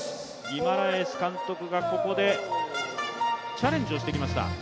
ギマラエス監督がここでチャレンジをしてきました。